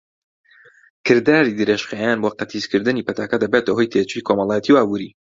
کرداری درێژخایەن بۆ قەتیسکردنی پەتاکە دەبێتە هۆی تێچووی کۆمەڵایەتی و ئابووری.